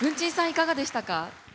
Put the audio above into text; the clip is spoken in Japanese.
いかがでしたか？